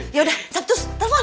yaudah capcus telepon